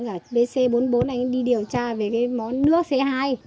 anh ở bc bốn mươi bốn anh đi điều tra về cái món nước c hai